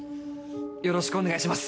よろしくお願いします！